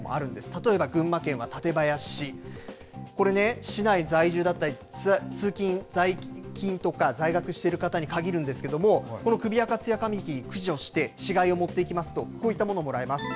例えば群馬県は館林市、これね、市内在住だったり、通勤、在勤とか、在学している方に限るんですけれども、このクビアカツヤカミキリ駆除して、死骸を持っていきますと、こういったものをもらえます。